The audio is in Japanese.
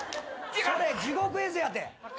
それ地獄絵図やって。